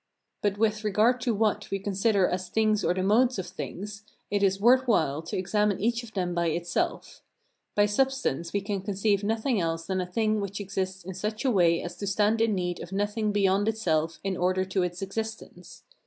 But with regard to what we consider as things or the modes of things, it is worth while to examine each of them by itself. By substance we can conceive nothing else than a thing which exists in such a way as to stand in need of nothing beyond itself in order to its existence.